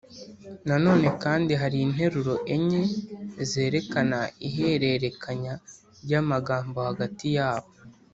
na none kandi hari interuro enye zerekana ihererekanya ry’amagambo hagati yabo.